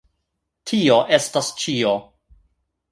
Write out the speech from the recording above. Tio estas ĉio